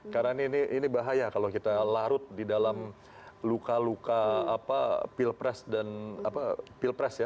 karena ini bahaya kalau kita larut di dalam luka luka pilpres